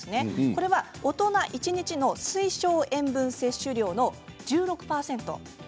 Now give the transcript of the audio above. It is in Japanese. これは大人一日の推奨塩分摂取量の１６％です。